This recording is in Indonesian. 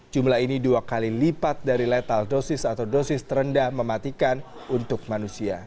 jumlah ini dua kali lipat dari letal dosis atau dosis terendah mematikan untuk manusia